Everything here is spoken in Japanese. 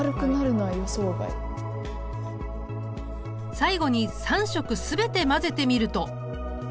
最後に３色全て混ぜてみると。